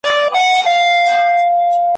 نن سهار خبر سوم چي انجنیر سلطان جان کلیوال `